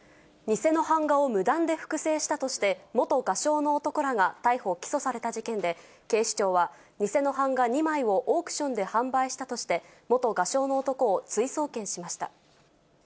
偽の版画を無断で複製したとして、元画商の男らが逮捕・起訴された事件で、警視庁は、偽の版画２枚をオークションで販売したとして、元画商の男を追送検しました。